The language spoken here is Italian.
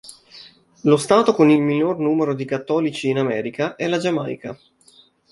Lo stato con il minor numero di cattolici in America è la Giamaica.